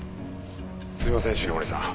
すいません繁森さん。